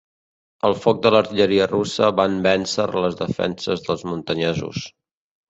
El foc de l'artilleria russa van vèncer les defenses dels muntanyesos.